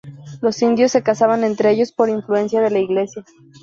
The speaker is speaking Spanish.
Los indios se casaban entre ellos por influencia de la Iglesia.